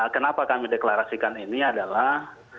kenapa kami deklarasikan ini adalah